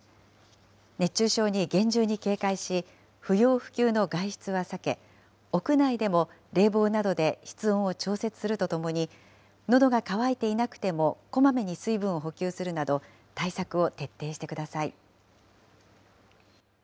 熱中症に厳重に警戒し、不要不急の外出は避け、屋内でも冷房などで室温を調節するとともに、のどが渇いていなくてもこまめに水分を補給するなど、対策を徹底してください。